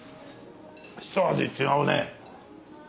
ひと味違うね。